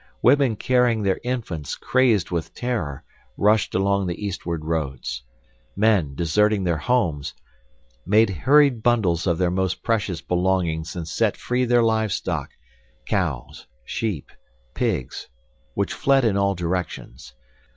Women carrying their infants, crazed with terror, rushed along the eastward roads. Men, deserting their homes, made hurried bundles of their most precious belongings and set free their livestock, cows, sheep, pigs, which fled in all directions.